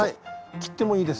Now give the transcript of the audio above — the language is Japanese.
切ってもいいです。